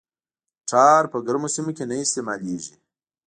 ټار په ګرمو سیمو کې نه استعمالیږي